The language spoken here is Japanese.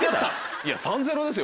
いや３−０ですよ